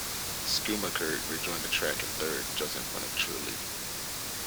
Schumacher rejoined the track in third, just in front of Trulli.